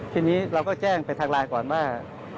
ทีนี้เราก็แจ้งไปทางไลน์ก่อนว่า